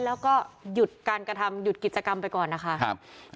แล้วก็หยุดการกระทำหยุดกิจกรรมไปก่อนนะคะ